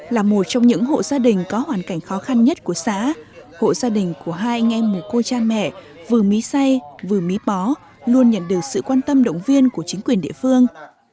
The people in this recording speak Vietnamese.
là một trong những hộ gia đình có hoàn cảnh khó khăn nhất của xã hộ gia đình của hai anh em một cô cha mẹ vừa mí xay vừa mí bó luôn nhận được sự quan tâm động viên của chính quyền địa phương